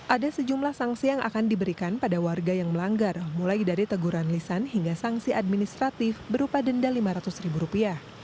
ada sejumlah sanksi yang akan diberikan pada warga yang melanggar mulai dari teguran lisan hingga sanksi administratif berupa denda rp lima ratus ribu rupiah